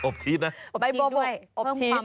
อบชีสนะใบบัวบกอบชีสด้วย